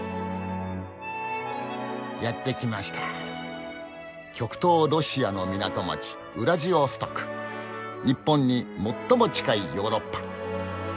やって来ました極東ロシアの港町日本に最も近いヨーロッパ。